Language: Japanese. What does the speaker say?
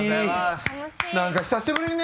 何か久しぶりね。